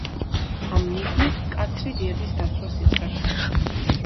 ამ მიზნით მკაცრი დიეტის დაცვას იწყებს.